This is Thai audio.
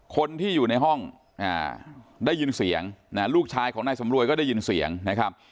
คนที่อยู่ในห้องได้ยินเสียงลูกชายของนายสำรวยก็ได้ยินเสียงนะครับ